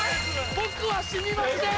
僕は死にましぇん。